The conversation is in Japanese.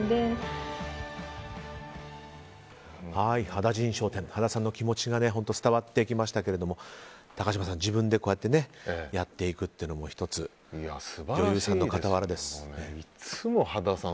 羽田甚商店羽田さんの気持ちが本当伝わってきましたけど高嶋さん、自分でこうやってやっていくというのも１つ、女優さんの傍らで。